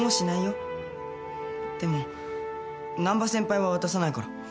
でも難波先輩は渡さないから。